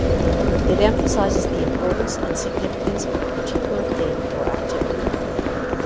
It emphasizes the importance and significance of the particular thing or activity.